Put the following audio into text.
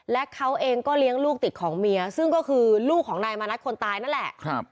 และเขาเองก็เลี้ยงลูกติดของเมียซึ่งก็คือลูกของนายมานัดคนตายนั่นแหละ